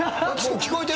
聞こえてる？